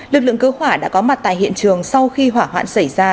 lực lượng cứu hỏa đã có mặt tại hiện trường sau khi hỏa hoạn xảy ra